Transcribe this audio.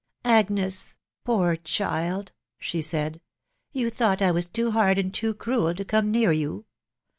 <f Agnes !.... poor child !" she said, ft you, thought I was too hard and too cruel to come near you